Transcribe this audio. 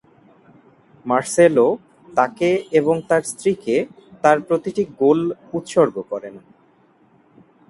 Marcelo তাকে এবং তার স্ত্রীকে তার প্রতিটি গোল উৎসর্গ করেন।